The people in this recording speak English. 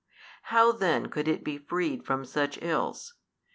How then could it be freed from such ills?